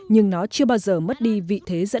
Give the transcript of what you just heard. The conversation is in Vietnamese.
nhưng nó chưa bao giờ mất đi vị thế